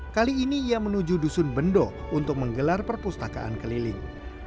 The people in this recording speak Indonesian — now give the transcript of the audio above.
kali ini ia menuju dusun bendo untuk menggelar perpustakaan keliling